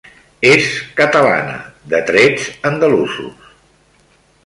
És catalana, de trets andalusos.